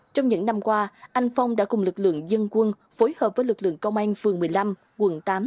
trong những năm qua anh phong đã cùng lực lượng dân quân phối hợp với lực lượng công an phường một mươi năm quận tám